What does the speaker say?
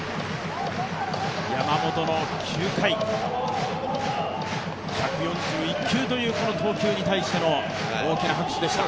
山本の９回、１４１球という投球に対しての大きな拍手でした。